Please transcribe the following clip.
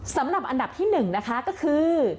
สำหรับอันดับที่๑นะคะก็คือ